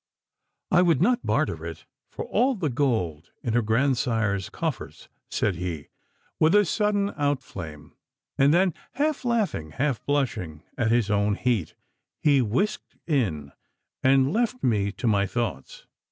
'I would not barter it for all the gold in her grandsire's coffers,' said he, with a sudden outflame, and then half laughing, half blushing at his own heat, he whisked in and left me to my thoughts.